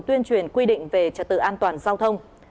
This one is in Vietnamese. tuyên truyền quy định về trật tự an toàn giao thông